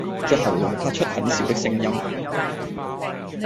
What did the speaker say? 在喉嚨發出很小的聲音